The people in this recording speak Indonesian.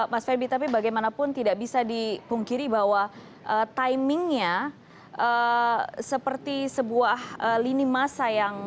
mas ferdi tapi bagaimanapun tidak bisa dipungkiri bahwa timingnya seperti sebuah lini masa yang